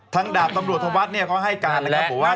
ทางดาบตำรวจธวรรษก็ให้การนะครับว่า